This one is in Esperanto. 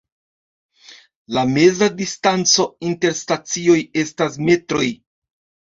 La meza distanco inter stacioj estas metroj.